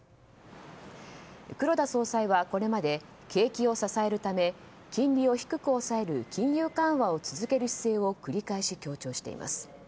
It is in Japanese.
黒田総裁は、これまで景気を支えるため金利を低く抑える金融緩和を続ける姿勢を繰り返し強調しています。